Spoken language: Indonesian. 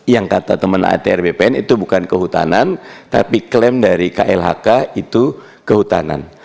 yang kata teman atr bpn itu bukan kehutanan tapi klaim dari klhk itu kehutanan